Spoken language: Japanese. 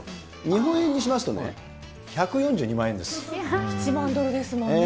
日本円にしますとね、１４２万円１万ドルですもんね。